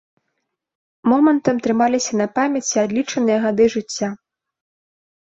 Момантам трымаліся на памяці адлічаныя гады жыцця.